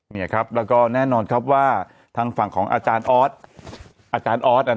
เนี่ยครับแล้วก็แน่นอนครับว่าทางฝั่งของอาจารย์ออส